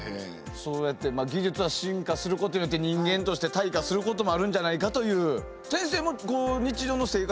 そうやって技術は進化することによって人間として退化することもあるんじゃないかという。